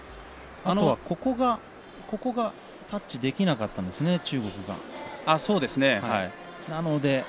あとはタッチできなかったんですね中国が。